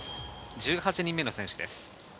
１８人目の選手です。